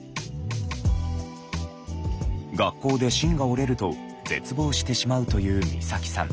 学校で芯が折れると絶望してしまうという光沙季さん。